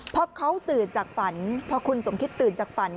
เพราะเขาตื่นจากฝันพอคุณสมคิดตื่นจากฝัน